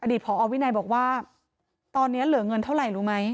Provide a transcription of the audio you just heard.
ผอวินัยบอกว่าตอนนี้เหลือเงินเท่าไหร่รู้ไหม